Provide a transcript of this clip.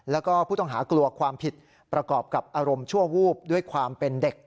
แล้วก็ผู้ต้องหากลัวความผิดประกอบกับอารมณ์ชั่ววูบด้วยความเป็นเด็ก